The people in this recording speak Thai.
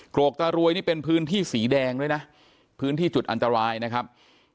โรคตารวยนี่เป็นพื้นที่สีแดงด้วยนะพื้นที่จุดอันตรายนะครับ